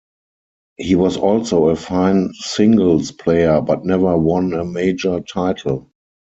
He was also a fine singles player but never won a Major title.